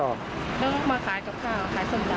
แล้วมาขายกับข้าวขายส้มตำ